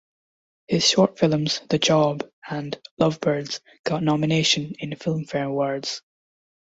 His short films The job and Love birds got nomination in Filmfare Awards.